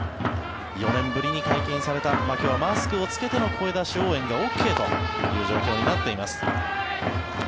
４年ぶりに解禁された今日はマスクを着けての声出し応援がＯＫという状況になっています。